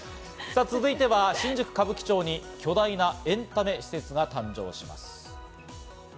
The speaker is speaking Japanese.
続いては新宿・歌舞伎町に巨大なエンタメ施設が誕生します。